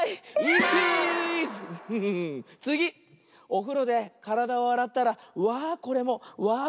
おふろでからだをあらったらわあこれもわあ